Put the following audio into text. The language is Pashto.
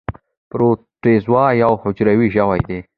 پروټوزوا یو حجروي ژوي دي